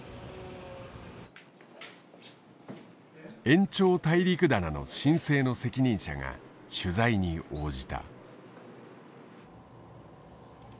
延長大陸棚の申請の責任者が取材に応じた。